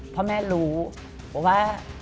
เพราะแม่รู้ว่า